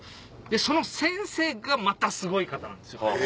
その先生がまたすごい方なんですよ。